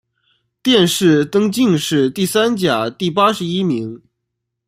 殿试登进士第三甲第八十一名。